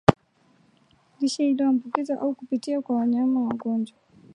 lishe iliyoambukizwa au kupitia kwa wanyama wagonjwa